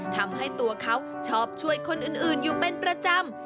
ทำให้ตัวเขาชอบช่วยคนอื่นอยู่เป็นประจำ